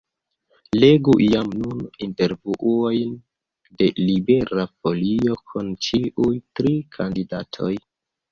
Legu jam nun intervjuojn de Libera Folio kun ĉiuj tri kandidatoj.